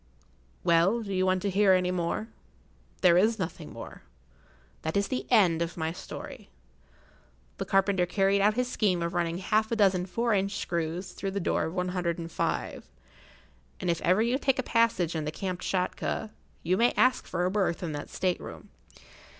Well, do you want to hear any more? There is nothing more. That is the end of my story. The carpenter carried out his scheme of running half a dozen four inch screws through the door of one hundred and five; and if ever you take a passage in the Kamtschatka, you may ask for a berth in that state room.